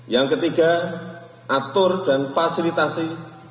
yang ketiga atur dan fasilitasi